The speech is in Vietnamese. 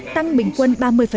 tăng bình quân ba mươi